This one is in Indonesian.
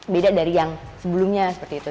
beda dari yang sebelumnya seperti itu